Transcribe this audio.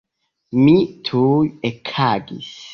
Mi tuj ekagis.